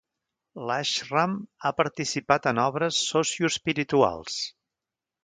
L'ashram ha participat en obres socioespirituals.